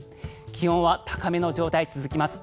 気温は高めの状態が続きます。